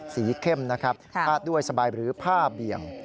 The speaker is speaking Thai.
เข้มนะครับพาดด้วยสบายหรือผ้าเบี่ยง